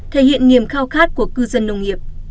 thể hiện niềm khao khát của cư dân nông nghiệp